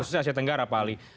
khususnya asia tenggara pak ali